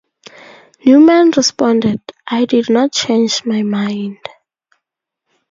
Neumann responded: I did not change my mind.